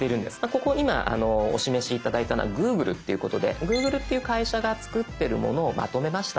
ここに今お示し頂いたのは「Ｇｏｏｇｌｅ」っていうことでＧｏｏｇｌｅっていう会社が作ってるものをまとめました。